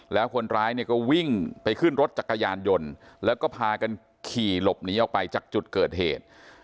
แล้วคนร้ายเนี่ยก็วิ่งไปขึ้นรถจักรยานยนต์แล้วก็พากันขี่หลบหนีออกไปจากจุดเกิดเหตุ